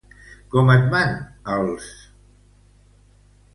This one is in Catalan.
Com et van, els??